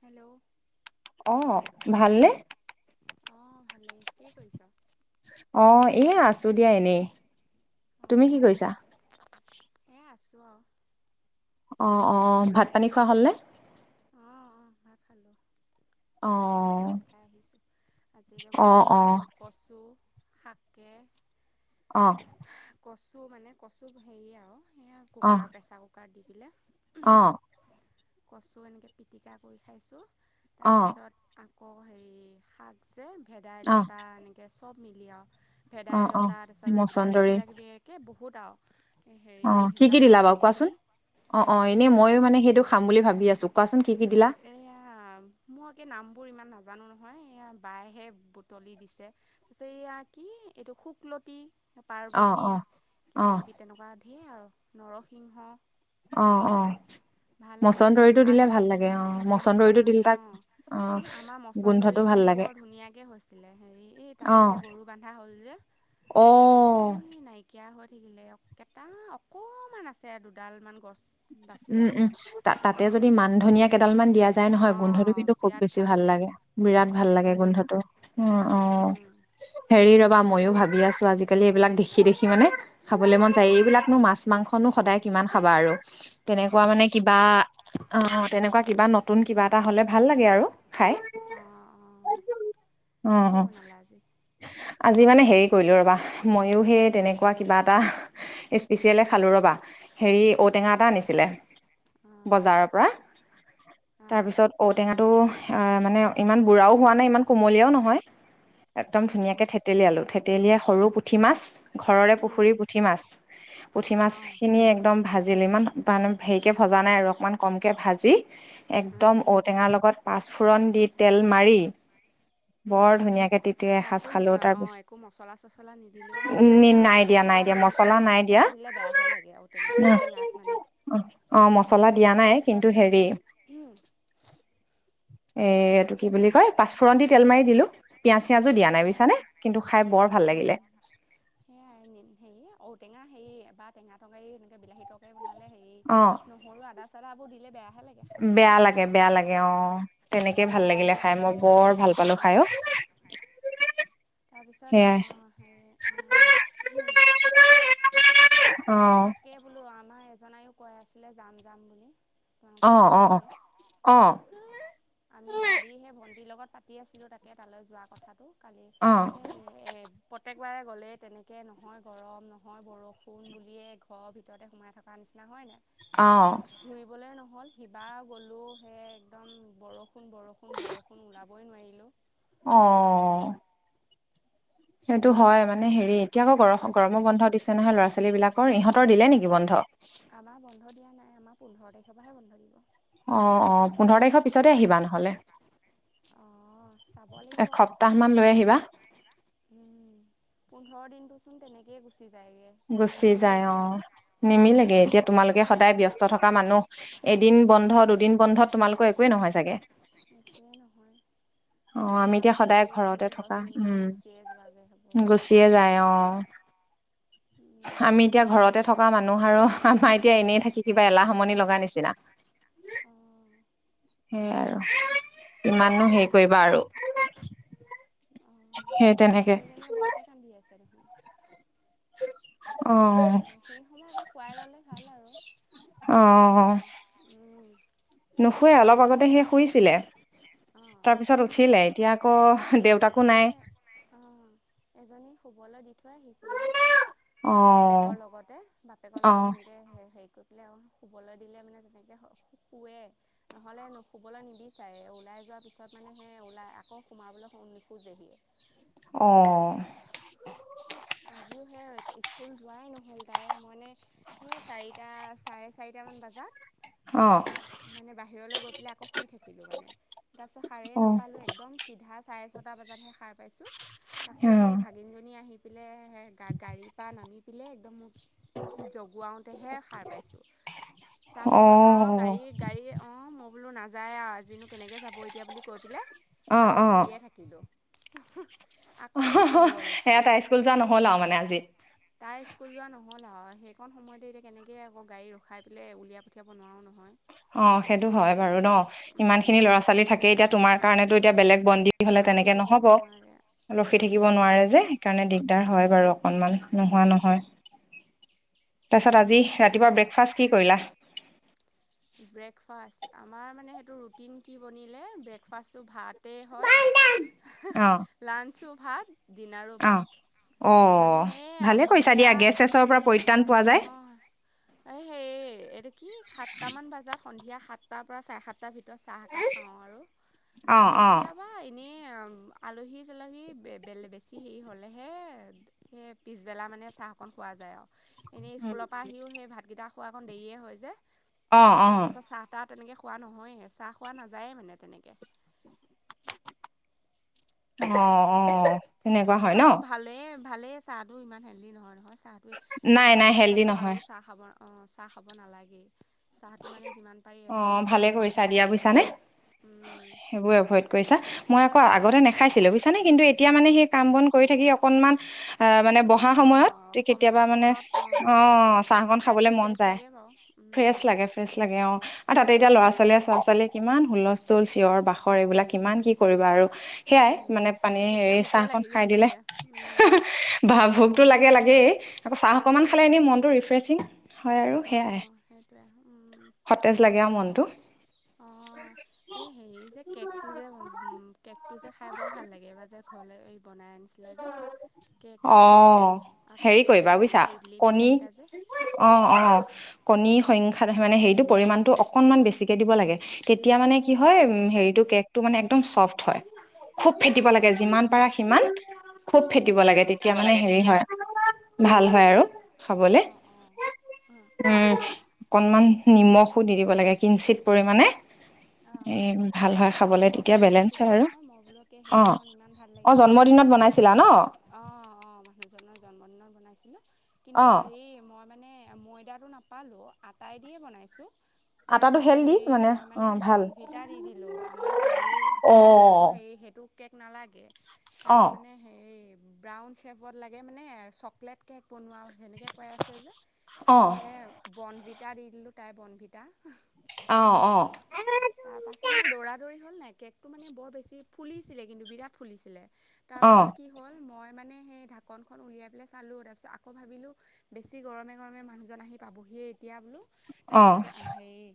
Hello অ ভালনে অ ভালেই কি কৰিছ? অ এ আছো দিয়া এনেই তুমি কি কৰিছা? আছো আও অ অ ভাত পানী খোৱা হ'লনে। অঁ অঁ ভাত খালো অ', ভাত খাই আহিছো আজি একে বহুত অ', দিনৰ অ', মূৰত কচু থাকে অ কচু মানে কচু হেৰি আৰু সেয়া অ', কুকাৰ প্ৰেছাৰ কুকাৰত দি পেলাই অ', কচু এনেকৈ পিটিকা কৰি খাইছোঁ অ', তাৰপিছত আকৌ হেৰি শাক যে অ', ভেদাইলতা এনেকৈ চব মিলি আৰু অ', ভেদাইলতা অ', তাৰপিছত এইবিলাক মচন্দৰী কিবা কিবি একে বহুত আও অ কি কি দিলা বাৰু কোৱাচোন অ অ এনেই এয়া ময়ো মানে সেইটো খাম বুলি ভাবি আছো কোৱাচোন কি কি দিলা? এয়া মই এই নাম বোৰ ইমান নাজা নো নহয় এইয়া বাইহে বুটলি দিছে তাৰপিছত এয়া কি এইটো শুকলতি অ', পাৰ্বতী অ', কিবা অ', কিবি তেনেকোৱা ঢেৰ আও নৰসিংহ অ অ ভাল লাগিলে মচন্দৰিটো দিলে আলু ভাল লাগে অ', মচ মচন্দৰীটো মছন্দৰি দিলে অ তাক অ', ই আমাৰ মছন্দৰি গোন্ধটো ভাল খিনি লাগে বৰ ধুনীয়াকে হৈছিলে হেৰি এ তাতে এতিয়া গৰু বন্ধা হ'ল যে অহ এই নাইকিয়া হৈ থাকিলে কেইটা অকমান আছে দুডাল মান উম উম ত তাতে গোট যদি মান ধনিয়া কেইডাল মান দিয়া যাই নহয় গোন্ধটো অঁ কিন্তু খুব বিৰাট বেছি ভাল লাগে বিৰাট ভাল লাগে গোন্ধটো অ সেই হেৰি ৰবা মইও ভাবি আছো আজিকালি এইবিলাক দেখি দেখি মানে খাবলৈ মন যায় অঁ এইবিলাকনো মাছ মাংসনো সদায় কিমান খাবা আৰু তেনেকোৱা অঁ মানে কিবা সেইটোৱে অ তেনেকোৱা কিবা নতুন কিবা এটা হলে ভাল লাগে আৰু খাই অঁ অঁ উম কি বনালা আজি আজি মানে হেৰি কৰিলো ৰ'বা ময়ো সেই তেনেকোৱা কিবা এটা স্পেচিয়েলে খালো ৰবা হেৰি ঔটেঙা এটা আনিছিলে অঁ বজাৰৰ পৰা অঁ তাৰপিছত ঔটেঙা টো অ মানে ইমান বুঢ়াও হোৱা নাই ইমান কুমলীয়াও নহয় একদম অঁ ধুনীয়াকে বেছি থেতেলীৱালো অঁ থেতেলীয়া সৰু পুঠি মাছ ঘৰৰে পুখুৰী পুঠি মাছ পুঠি অঁ মাছখিনি একদম জেলিমান মানে হেৰিকৈ ভজা নাই আৰু অকণমান কমকৈ ভাজি- অঁ একদম ঔটেঙাৰ, লগত পাঁচফোৰণ দি তেল মাৰি বৰ অঁ ধুনীয়াকে তিপ এসাজ তাতো খালো অঁ তাৰপিছত একো মছলা উ নাই দিয়া নাই দিয়া অ মছলা নাই দিয়া মছলা দিলে বেয়াহে লাগে ঔ, টেঙা টেঙাত মানে অ মছলা দিয়া তাৰ নাই পাছত কিন্তু হেৰি উম উ- এ এইটো কি বুলি কয় পাঁচফোৰণ দি তেল মাৰি দিলো পিয়াঁজ চিয়াজো দিয়া নাই বুজিছানে কিন্তু খাই বৰ ভাল উম লাগিলে সেয়াই সে ঔ, টেঙা হেৰি বা টেঙা তৰকাৰী এনেকে বিলাহী তৰকাৰী বনালে হেৰি অ নহৰু আদা। ত আকৌ দিলে বেয়া বেয়া লাগে বেয়া লাগে অ তেনেকে ভাল লাগিলে নৰ্মেলকে খাই মই খায়ে বৰ লাগে ভাল পালো খাই উম ও- উ তাৰপিছত এ অঁ হেৰি অঁ তাকে বোলো আমাৰ এজনায়ও কৈ আছিলে যাম যাম। বুলি অ অ চাই অ আমিও কালি সেই ভন্টিৰ লগত পাতি আছিলো তাকে তালৈ যোৱা কথাটো কালি অ এ স এ পতেকবাৰে গ'লেই তেনেকৈ নহয় গৰম নহয় বৰষুণ, ফোন বুলিয়ে ঘৰৰ ভিতৰতে সোমাই থকা নিচিনা হয় ন অ ঘুৰিবলে নহয়। হ'ল সিবা গ'লো হে একদম বৰষুণ, বৰষুণ বৰষুণ ওলাবই নোৱাৰিলো। অ সেইটো হয় মানে হেৰি এতিয়া আকৌ গৰ গৰমো বন্ধ দিছে নহয় ল'ৰা ছোৱালী বিলাকৰ। ইহঁতৰ দিলে নেকি বন্ধ? আমাৰ বন্ধ দিয়া নাই আমাৰ পোন্ধৰ তাৰিখৰ পৰাহে বন্ধ দিব। আহ অ পোন্ধৰ তাৰিখৰ পিছতে আহিবা নহলে। অঁ চাব লাগিব। এসপ্তাহ মান লৈ আহিবা। উম পোন্ধৰ দিনতোচোন তেনেকেই গুচি যায়গে গুচি যায় অ নিমিলেগে নিমিলেগে এতিয়া তোমালোকে সদায় ব্যস্ত থকা মানুহ এদিন বন্ধ দুদিন বন্ধত তোমালোকৰ একোৱেই নহয় চাগে। একোৱেই নহয়। অ ঘৰৰ আমি কাম এতিয়া সদায় কৰোঁতেইচোন ঘৰতে থকা দহদিনমান উম গুচিয়ে যোৱাগৈ হ'ব। গুচিয়ে যায়। অ উম আমি এতিয়া ঘৰতে থকা মানুহ আৰু আমাৰ এতিয়া এনেই থাকি কিবা এলাহ আমনি লগা নিচিনা। [inaudible] অঁ সেইয়াই আৰু কিমাননো হেৰি কৰিবা আৰু অ সেই তেনেকে ছোৱালীজনীয়ে বৰকে কান্দি আছে দেখোন। অ সেই সময় অকণ খোৱাই ল'লে ভাল। আৰু অ তাই হেৰি উম নুশুোৱে অলপ অকণ আগতে খুৱাই সি শুইছিলে। অঁ তাৰপিছত উঠিলে এতিয়া আকৌ দেউতাকো নাই আমাৰ অঁ এজনী শুবলৈ দি থৈ আহিছোঁ। বাৰু অ বাপেকৰ লগতে বাপেকৰ অ লগত সেনেকৈ হেৰি কৰি শুবলৈ দিলে মানে তেনেকে শুৱে, নহ'লে নু শুবলৈ নিবিচাৰে ওলাই য যোৱাৰ পিছত মানে সেই ওলাই আকৌ সোমাবলৈ নোখোজেই। অ আজিও সেই আৰু স্কুল যোৱাই নহ'ল তাই মানে সেই চাৰিটা চাৰে চাৰিটামান অ বজাত। মানে বাহিৰলৈ গৈ পেলাই আকৌ শুই থাকিলো মানে। তাৰ পিছত সাৰেই অ নাপালো একদম চিধা চাৰে ছটা বজাতহে সাৰ পাইছো। তাকো অ সেই ভাগিনজনী আহি পেলাই গাড়ীৰ পৰা নামি পেলাই একদম জগোৱাওঁতেহে সাৰ পাইছোঁ। অ তাৰপিছত আৰু গাড়ী গাড়ী অ মোক- বোলো নাযায় আৰু আজিনো কেনেকৈ যাব এতিয়া বুলি কৈ পেলাই অ আকৌ অ শুইয়ে থাকিলোঁ। হ সেয়া ত হাই স্কুল যোৱা নহ'ল আৰু মানে আজি [unintelligible] তাই স্কুল যোৱা নহ'ল আৰু সেইকণ সময়তে এতিয়া কেনেকৈ আকৌ গাড়ী ৰখাই পেলাই উলিয়াই পঠিয়াব নোৱাৰোঁ নহয়। [unintelligible] অ সেইটো হয় বাৰু ন ইমান খিনি নহয় ল'ৰা ছোৱালী থাকে এতিয়া তোমাৰ কাৰণেতো এতিয়া বেলেগ বন্দী হলে [unintelligible] ৰখি থাকিব নোৱাৰে। ৰখি থাকিব নোৱাৰে যে সেইকাৰণে দিগদাৰ হয় বাৰু অকনমান নোহোৱা নহয়। [unintelligible] তাৰপিছত আজি ৰাতিপুৱা ব্ৰেকফাষ্ট কি কৰিলা? ব্ৰেকফাষ্ট আমাৰ মানে সেইটো ৰুটিন কি বনিলে ব্ৰেকফাষ্টটো ভাত গোটেই অ হয় লাঞ্চো ভাত, ডিনাৰো অ ভাত অ মানে সেয়া ভালে কৰিছা সন্ধিয়া দিয়া গেছ চেছৰ পৰা পৰিত্ৰাণ পোৱা যায়। এ সেই এইটো কি সাতটামান বজাত সন্ধিয়া সাতটাৰ পৰা চাৰে সাতটাৰ ভিতৰত চাহ একাপ খাওঁ আৰু অ অ কেতিয়াবা এনেই [unintelligible] আলহী চালহী বেছি হেৰি হ'লেহে [unintelligible] সেই পিছবেলা মানে চাহকণ খোৱা যায় আৰু এনেই স্কুলৰ পৰা আহিও সেই ভাতকেইটা [unintelligible] খোৱা অকণ দেৰিয়ে হয় যায় অ অ তাৰপিছত চাহ তাহ [unintelligible] তেনেকে খোৱা নহয়ে চাহ খোৱা নাযায়ে মানে তেনেকে অ অ তেনেকুৱা এই হয় ন। আৰু ভালেই ভালেই চাহটো ইমান হেল্ডি নহয় নহয় চাহটোৱে নাই এতিয়া নাই হেল্ডি অৱস্থাততো আৰু নহয় চাহ খাব ন। [unintelligible] অঁ চাহ খাব নালাগেই চাহটো মানে যিমান পাৰি অঁ এভইডেই ভালে কৰিব কৰিছা লাগে দিয়া বুজিছানে [unintelligible] সেইবোৰ এভইড কৰিছা মই আকৌ ক আগতে নেখাইছিলো বুছানে কিন্তু এতিয়া মানে সেই কাম বন কৰি থাকি অকনমান [unintelligible] আহ মানে বহা সময়ত অঁ কেতিয়াবা সময় মানে মূৰত অঁ অ চাহকণ চাহকন খাই খাবলে দিলে মন ফ্ৰেছ যায়। লাগে বাৰু ফ্ৰেছ লাগে ফ্ৰেছ লাগে অ, আৰু তাতে এতিয়া ল'ৰা- ছোৱালীয়ে চ'ৰা ছোৱালীয়ে কিমান হুলস্থুল চিঞৰ বাখৰ এইবিলাক কিমান কি কৰিবা আৰু। [unintelligible] সেয়াই মানে পানী পিটিককৈ হেৰি ভোকে চাহ কন লাগি খাই যায় দিলে চাগে বাহ ভোকতো লাগে লাগে [unintelligible] গেই আকৌ চাহ অকণমান খালে এনে মনটো ৰিফ্ৰেছিং হয় আৰু সেয়াই অঁ সেইটোৱে সতেজ লাগে আৰু মনটো অ এই হেৰি যে কেকটো যে কেক টো যে খাই বৰ ভাল লাগে বা যে কলে এই বনাই আনিছিলা যে অ কেকটো আকৌ হেৰি সেই কৰিবা বুজিছা পিঠাকেইটা ইডলি কণী পিঠাকেইটা যে অ অ কণী সংখ্যাত হেৰিটো পৰিমানটো অকনমান বেছিকে দিব লাগে তেতিয়া মানে কি হয় হেৰিটো কেকটো [unintelligible] মানে একদম চফ্ট হয় খুব ফেটিব অ', লাগে যিমান পাৰা সিমান খুব ফেটিব উম, লাগে উম, তেতিয়া মানে হেৰি হয় [unintelligible] ভাল হয় আৰু খাবলে অ', অ', অ', উম অকনমান নিমখো দি দিব লাগে কিঞ্চিত পৰিমাণে এ অ', ভাল হয় খাবলে মই তেতিয়া বেলেঞ্চ হয় বনাইছিলোঁ আৰু, নহয় মই বোলো কি অ সেইদিনাখন ইমান ভাল অ লাগিলে খাই জন্মদিনত বন নাছিলা ন বনত বনাইছিলো কিন্তু অ', হেৰি মই মানে ময়দাটো নাপালোঁ আটাই দিয়ে বনাইছোঁ [unintelligible] আটাটো কিন্তু হেল দি হেৰি মানে মই অ ভাল বনভিটা দি দিলোঁ আমাৰ ছোৱালী ছোৱালীক আকৌ অ', সেই সেইটো কেক নালাগে [unintelligible] তাইক অ', মানে হেৰি ব্ৰাউন চেফত লাগে মানে চকলেট কেক বনোৱা সেনেকৈ কৈ আছে যে অ', সে বনভিত। [unintelligible] তাইক দি দিলো তাই বনভিটা [unintelligible] আহ অ তাৰপাছত মানে দৌৰা দৌৰি হ'ল নাই কেকটো মানে বৰ বেছি ফুলিছিলে, কিন্তু বিৰাট ফুলিছিলে [unintelligible] তাৰ পাছত অ', কি হ'ল মই [unintelligible] মানে সেই ঢাকনখন উলিয়াইলাই চালোঁ তাৰ পিছত আকৌ ভাবিলো বেছি গৰমে গৰমে মানুহজন আহি পাবহি [unintelligible] সেই এতিয়া বোলো তাৰপিছত অ হেৰি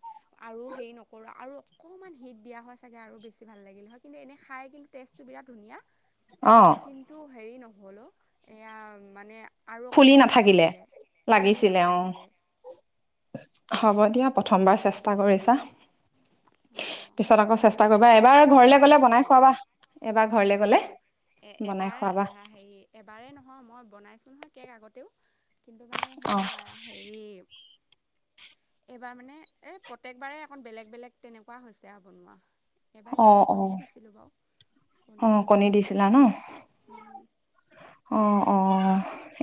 আৰু হেৰি নকৰোঁ আৰু অকণমান হিট দিয়া হয় চাগে আৰু বেছি ভাল লাগিল হয় কিন্তু এনেই খাই কিন্তু টেষ্টটো বিৰাট ধুনীয়া। অ [unintelligible] কিন্তু হেৰি নহল অ এয়া মানে আৰু অকণ ফুলি টাইম নাথাকিলে লাগিছিলে ফুলি লাগিছিলে অ', নাথাকিলে। হ'ব দিয়া প্ৰথমবাৰ চেষ্টা কৰিছা অঁ পিছত আকৌ চেষ্টা নহয় কৰিবা এনেই এবাৰ আগতে ঘৰলে গ'লে বনাই বনাইছোঁ খোৱাবা, এইবাৰ ঘৰলে গলে। অ', এ বনাই এবাৰ খুৱাবা হেৰি এবাৰেই নহয় মই বনাইছোঁ নহয় কেক আগতেও, কিন্তু মানে সেই অ', হেৰি। এইবাৰ মানে এই প্ৰত্যেকবাৰেই অকন বেলেগ বেলেগ তেনেকুৱা হৈছে আৰু বনোৱা এবাৰ ইয়াতো অ', অ', কণীয়ে দিছিলোঁ বাৰু অ চণী কণী দিছিলা দিছিলোঁ। ন অ অঁ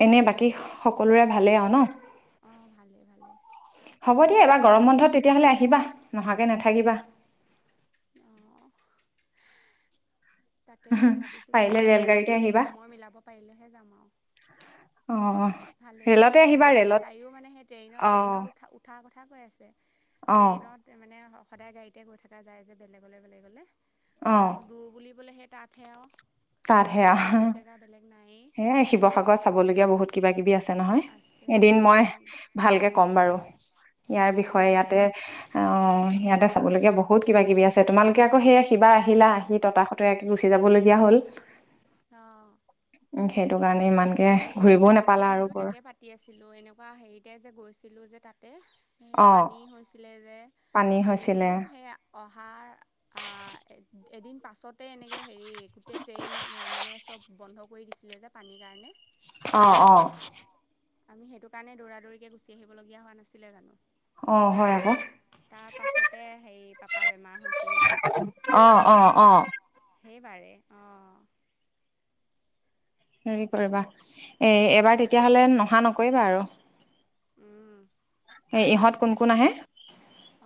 এনেই বাকী সকলোৰে ভালেই আৰু ন। অঁ ভালেই ভালেই হব দিয়া এইবাৰ গৰম বন্ধত তেতিয়াহলে আহিবা। নহাকে নাথাকিবা। অঁ তাকে এতিয়া ভাবিছোঁ কি পাৰিলে হয় ৰেল আৰু গাড়ীতে আহিবা সময় মিলাব পাৰিলেহে যাম আও অ', ভালেই লাগে ৰে'লতে অকণ আহিবা দূৰলৈ ৰে'লত তাইও মানে সেই ট্ৰেইনত অ', ট্ৰেইনত উ উঠাৰ কথা কৈ আছে অ', ট্ৰেইনত মানে সদায় গাড়ীতে গৈ থকা যায় যে বেলেগলে বেলেগলে অ আৰুতো দূৰ বুলিবলে সেই তাতহে আৰু বেলেগতো দূৰ জেগা বেলেগ নায়েই এ শিৱসাগৰত চাবলগীয়া বহুত কিবা কিবি আছে আছে নহয় এদিন মই ভালকে কম বাৰু ইয়াৰ বিষয়ে উম ইয়াতে অ অ সিয়াঁতে চাবলগে বহুত কিবা কিবি আছে তোমালোকে আকৌ সেইয়া কিবা আহিলা আহি তাসতিযাকে গুচি যাব যাব লগিয়া হল অহ উম সেইটো কাৰণে ইমানকে কালি আমি ঘূৰিবও ভন্টি নাপালা আৰু ময়ো বৰ তাকে পাতি আছিলো এনেকুৱা হেৰিতে যে গৈছিলো যে তাত [inaudible] পানী হৈছিলে যে পানী আমি হৈছিলে বোলো সেই অহাৰ এদিন পাছতে এনেকে হেৰি গোটেই ট্ৰেইন মানে চব বন্ধ কৰি দিছিলে যে পানীৰ কাৰণে অ অ আমি সেইটো কাৰণে দৌৰা দৌৰিকে গুচি আহিবলগীয়া হোৱা নাছিলে জানো অ হয় আকৌ তাৰ পাছতে সেই পাপাৰ বেমাৰ হৈছে অহ অ অহ সেইবাৰেই অহ হেৰি কৰিবা এই এবাৰ তেতিয়াহ'লে নহা নকৰিবা আৰু উম এ ইহঁত কোন কোন আহে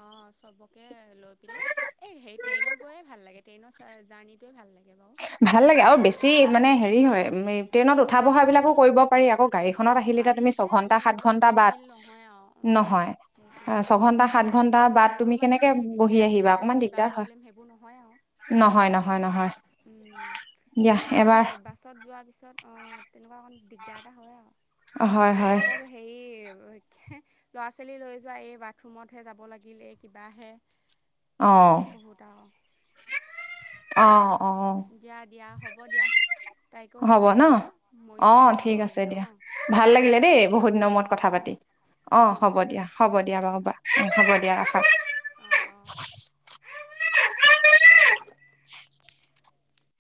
অ চবকে লৈ পেলাই এই হে ট্ৰেইনত গৈয়ে ভাল লাগে ট্ৰেইনৰ চ জাৰ্নিটোৱে ভাল লাগে বাৰু ভাল লাগে আৰু বেছি মানে হেৰি হয় উ ট্ৰেইনত উঠা বহা বিলাকো কৰিব পাৰি আকৌ গাড়ীখনত অঁ আহিলে পাৰি তুমি যে ছঘন্টা মানে সাত ইমান ঘন্টা ব'ৰ বাদ ফিল নহয় আৰু উম নহয় সেইটোৱে ছঘন্টা সাত ঘন্টা বাট আৰু তুমি মানে কেনেকে সেই বহি গেছ আহিবা প্ৰব্লেম অকমান কিবা দিগদাৰ হয় প্ৰব্লেম সেইবোৰ নহয় আৰু নহয় নহয় নহয় উম দিয়া মানে সেয়া এবাৰ বাছত যোৱাৰ পিছত অ তেনেকুৱা অকণ দিগদাৰ এটা হয় আৰু হয় হয় আকৌ বাও হে ল'ৰা ছোৱালী লৈ যোৱা এই বাথৰুমতহে যাব লাগিলে কিবাহে অ এ বহুত আও অহ দিয়া দিয়া হ'ব দিয়া তাইকো অকন হ'ব ন খোৱাই লোৱা ময়ো অ অকণ ঠিক আছে বাগৰুগে দিয়া অহ ভাল লাগিলে দেই বহুত দিনৰ মূৰত কথা পাতি অ অঁ হ'ব অঁ দিয়া হ'ব দিয়া বাৰু অঁ হ'ব দিয়া ৰাখ। অঁ অঁ [inaudible]